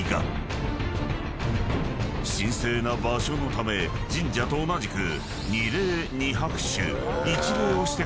［神聖な場所のため神社と同じく］